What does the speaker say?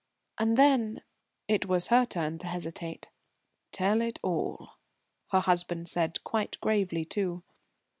And then " It was her turn to hesitate. "Tell it all," her husband said, quite gravely too.